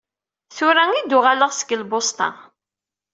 Tura i d-uɣaleɣ seg lbusṭa.